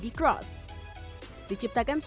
diciptakan sebagai mobil yang lebih mudah untuk dikonsumsi